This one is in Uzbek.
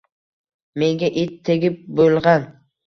Menga it tegib bo‘lg‘an